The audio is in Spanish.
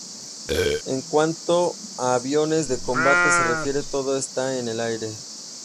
En cuanto a aviones de combate se refiere, todo está en el aire.